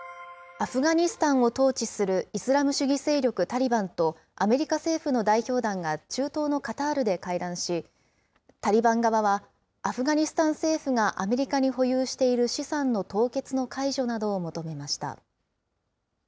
アフガニスタンを統治するイスラム主義勢力タリバンと、アメリカ政府の代表団が中東のカタールで会談し、タリバン側は、アフガニスタン政府がアメリカに保有している資産の凍結の解除などを求めました。